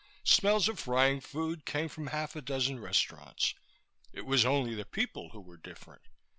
Smells of frying food came from half a dozen restaurants. It was only the people who were different.